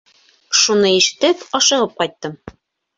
— Шуны ишетеп ашығып ҡайттым.